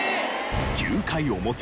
９回表。